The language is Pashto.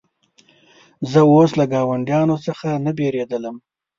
زه اوس له ګاونډیانو څخه نه بېرېدلم.